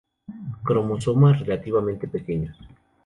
Cromosoma relativamente pequeños.